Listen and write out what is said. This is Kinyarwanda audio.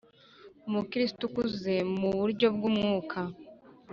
umukristo ukuze mu buryo bw umwuka